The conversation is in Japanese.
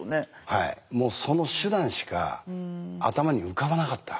はいもうその手段しか頭に浮かばなかった。